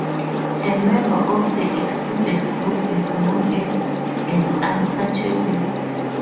A member of the excluded group is known as an Untouchable.